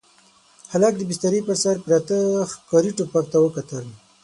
هلک د بسترې پر سر پراته ښکاري ټوپک ته وکتل.